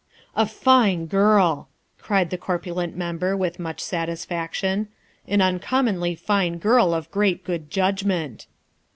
"A fine girl," cried the corpulent Member with much satisfaction, " an uncommonly fine girl of great good judgment."